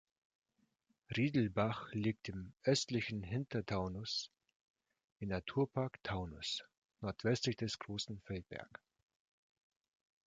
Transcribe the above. Riedelbach liegt im östlichen Hintertaunus im Naturpark Taunus, nordwestlich des Großen Feldberg.